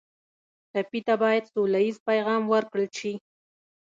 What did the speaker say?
ټپي ته باید سوله ییز پیغام ورکړل شي.